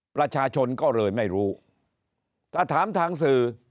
ประชาชนก็เลยไม่รู้ถ้าถามทางสื่อ